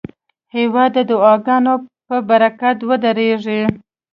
هېواد د دعاګانو په برکت ودریږي.